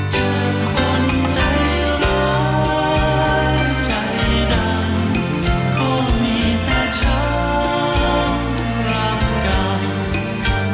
เจอคนใจร้ายใจดำเขามีเท่าเช้ารับกรรม